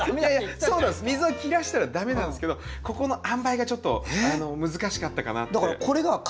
水を切らしたら駄目なんですけどここのあんばいがちょっと難しかったかなって。